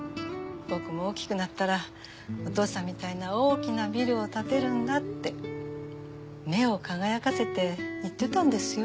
僕も大きくなったらお父さんみたいな大きなビルを建てるんだって目を輝かせて言ってたんですよ。